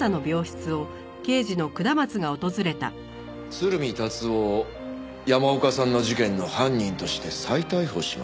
鶴見達男を山岡さんの事件の犯人として再逮捕しました。